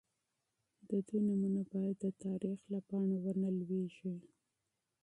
د دوی نومونه باید د تاریخ له پاڼو ونه لوېږي.